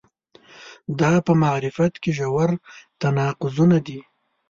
دا په معرفت کې ژور تناقضونه دي.